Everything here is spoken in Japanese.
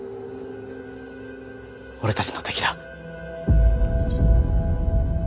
俺たちの敵だ。